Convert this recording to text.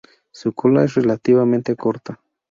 Su cola es relativamente corta.